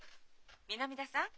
☎南田さん？